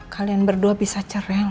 kalian berdua bisa ceren